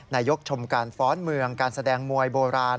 นายกชมการฟ้อนเมืองการแสดงมวยโบราณ